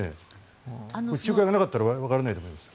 仲介がなかったら分からないと思います。